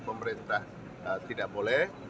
pemerintah tidak boleh